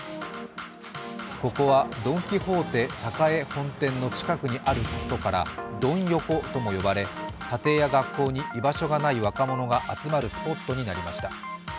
ここはドン・キホーテ栄本店の近くにあることからドン横とも呼ばれ、家庭や学校に居場所がない若者が集まるスポットになりました。